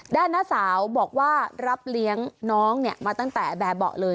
น้าสาวบอกว่ารับเลี้ยงน้องเนี่ยมาตั้งแต่แบบเบาะเลย